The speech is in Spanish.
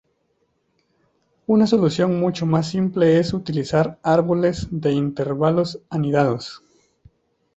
Una solución mucho más simple es utilizar árboles de intervalos anidados.